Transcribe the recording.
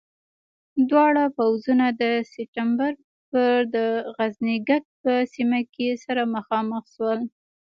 دواړه پوځونه د سپټمبر پر د غزنيګک په سیمه کې سره مخامخ شول.